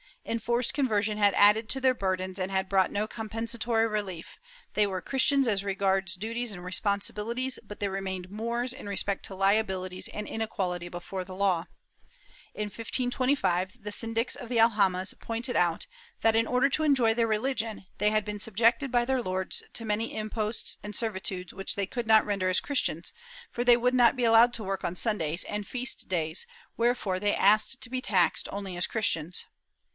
Enforced conversion had added to their burdens and had brought no compensatory relief — they were Christians as regards duties and responsibilities, but they remained Moors in respect to liabilities and inequality before the law. In 1525 the syndics of the al jamas pointed out that, in order to enjoy their religion, they had been subjected by their lords to many imposts and servitudes which they could not render as Christians, for they would not be allowed to work on Sundays and feast days, wherefore they asked to be taxed only as Christians.